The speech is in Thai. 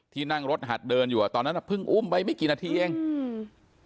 นั่งรถหัดเดินอยู่อ่ะตอนนั้นอ่ะเพิ่งอุ้มไปไม่กี่นาทีเองอืม